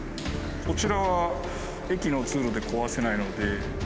こちらは駅の通路で壊せないので。